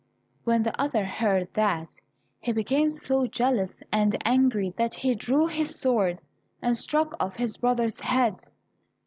When the other heard that, he became so jealous and angry that he drew his sword, and struck off his brother's head.